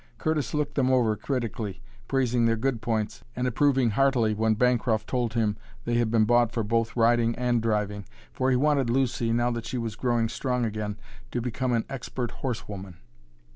Curtis looked them over critically, praising their good points, and approving heartily when Bancroft told him they had been bought for both riding and driving, for he wanted Lucy, now that she was growing strong again, to become an expert horsewoman.